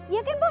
iya kan pok